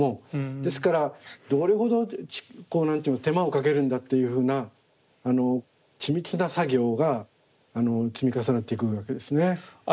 ですからどれほど手間をかけるんだというふうな緻密な作業が積み重なっていくわけですね。